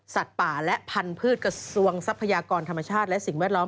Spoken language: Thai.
ป่าและพันธุ์กระทรวงทรัพยากรธรรมชาติและสิ่งแวดล้อม